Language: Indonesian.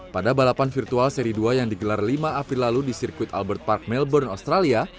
pada balapan virtual seri dua yang digelar lima april lalu di sirkuit albert park melbourne australia